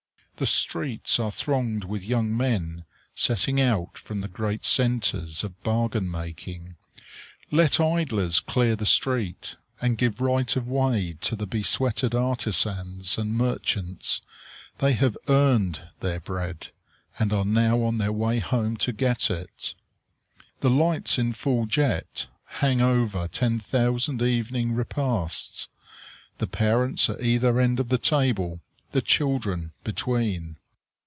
The streets are thronged with young men, setting out from the great centres of bargain making. Let idlers clear the street, and give right of way to the besweated artisans and merchants! They have earned their bread, and are now on their way home to get it. The lights in full jet hang over ten thousand evening repasts the parents at either end of the table, the children between.